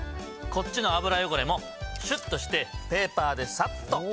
こっちの油汚れもシュッとしてペーパーでサッと。